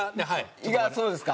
胃がそうですか。